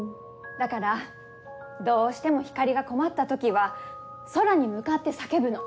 だからどうしてもひかりが困った時は空に向かって叫ぶの。